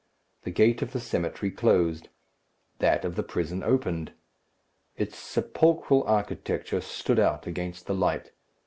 The gate of the cemetery closed. That of the prison opened. Its sepulchral architecture stood out against the light.